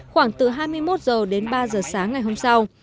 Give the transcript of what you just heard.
khoảng từ hai mươi một h đến ba h sáng ngày hôm sau